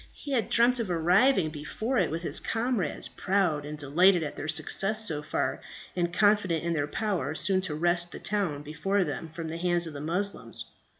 He had dreamt of arriving before it with his comrades, proud and delighted at their success so far, and confident in their power soon to wrest the town before them from the hands of the Moslems.